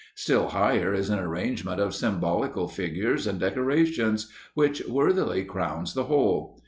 Still higher is an arrangement of symbolical figures and decorations, which worthily crowns the whole.